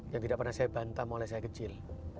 yang tidak pernah saya bantam oleh saya kecil